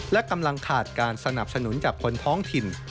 และกำลังขาดการสนับสนุนจากคนท้องถิ่น